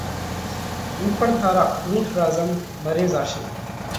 اُو پڻ ٿارا اُونٺ را زم مري زاشي۔